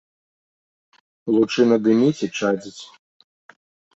Лучына дыміць і чадзіць.